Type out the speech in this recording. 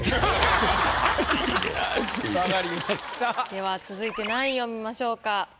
では続いて何位を見ましょうか？